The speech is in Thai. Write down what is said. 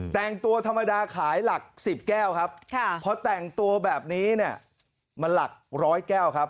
แต่งตัวธรรมดาขายหลัก๑๐แก้วครับพอแต่งตัวแบบนี้เนี่ยมันหลักร้อยแก้วครับ